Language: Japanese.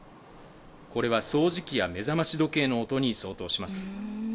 これは掃除機や目覚まし時計の音に相当します。